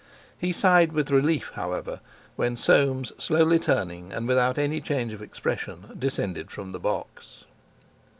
He sighed with relief, however, when Soames, slowly turning, and without any change of expression, descended from the box.